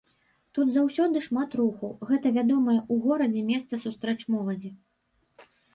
Тут заўсёды шмат руху, гэта вядомае ў горадзе месца сустрэч моладзі.